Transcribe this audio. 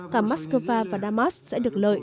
cả moskova và damas sẽ được lợi